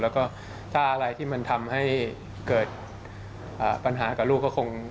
แล้วก็ถ้าอะไรที่มันทำให้เกิดปัญหากับลูกก็คง